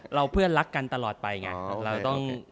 เพื่อนรักกันตลอดไปไงเราต้อง